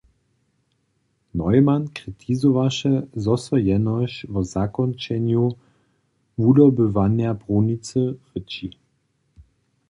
Neumann kritizowaše, zo so jenož wo zakónčenju wudobywanja brunicy rěči.